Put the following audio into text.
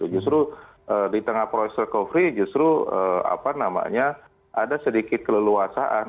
justru di tengah proses recovery justru ada sedikit keleluasaan